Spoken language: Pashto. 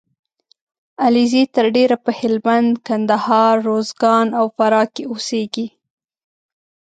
علیزي تر ډېره په هلمند ، کندهار . روزګان او فراه کې اوسېږي